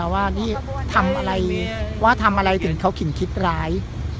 ว่าทำอะไรว่าทำอะไรที่เขาคิดร้าย